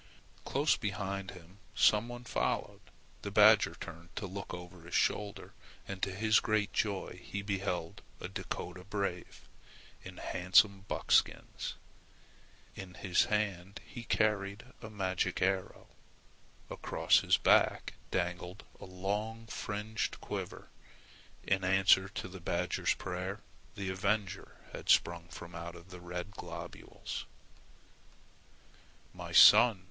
Close behind him some one followed. The badger turned to look over his shoulder and to his great joy he beheld a Dakota brave in handsome buckskins. In his hand he carried a magic arrow. Across his back dangled a long fringed quiver. In answer to the badger's prayer, the avenger had sprung from out the red globules. "My son!"